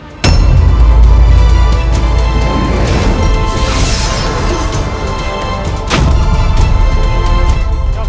aku ini raimu kian santang